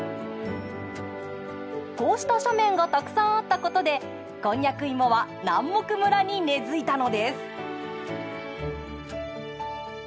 こうした斜面がたくさんあったことでこんにゃく芋は南牧村に根づいたのです。